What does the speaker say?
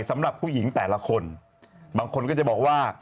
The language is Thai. สำหรับผู้หญิงแต่ละคนบางคนก็จะบอกว่า